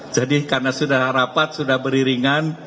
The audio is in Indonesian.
jadi karena sudah rapat sudah beriringan